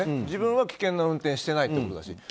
自分は危険な運転してないってことですし。